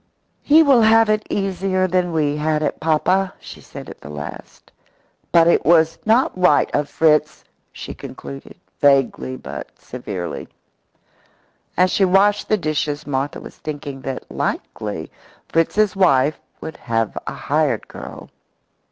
"He will have it easier than we had it, papa," she said at the last. "But it was not right of Fritz," she concluded, vaguely but severely. As she washed the dishes Martha was thinking that likely Fritz's wife would have a hired girl.